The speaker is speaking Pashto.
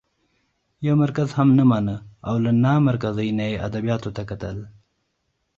يو مرکز هم نه مانه او له نامرکزۍ نه يې ادبياتو ته کتل؛